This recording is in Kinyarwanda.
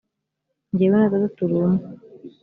jyewe na data turi umwe .